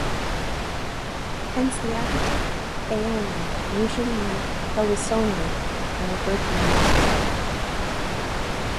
Hence the adjective "Aonian" usually meant "Heliconian" and referred to the Muses.